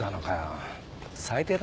最低だな。